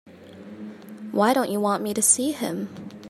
Why don't you want me to see him?